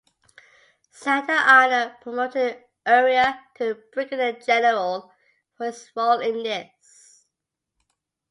Santa Anna promoted Urrea to Brigadier General for his role in this.